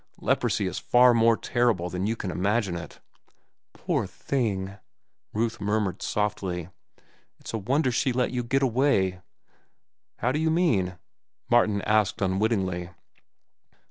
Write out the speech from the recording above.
Leprosy is far more terrible than you can imagine it." "Poor thing," Ruth murmured softly. "It's a wonder she let you get away." "How do you mean?" Martin asked unwittingly.